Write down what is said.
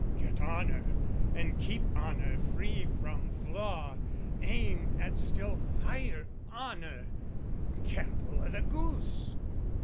Get honour, and keep honour free from flaw, Aim at still higher honour, gabble o' the goose!